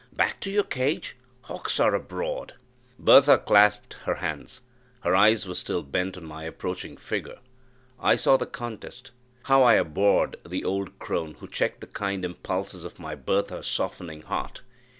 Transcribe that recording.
Back to your cage hawks are abroad!" Bertha clasped her hands her eyes were still bent on my approaching figure. I saw the contest. How I abhorred the old crone who checked the kind impulses of my Bertha's softening heart.